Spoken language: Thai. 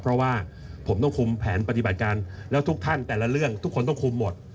เพราะว่าผมต้องคุมแผนปฏิบัติการแล้วทุกท่านแต่ละเรื่องทุกคนต้องคุมหมด